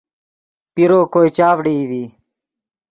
پیرو کوئے چاڤڑئی ڤی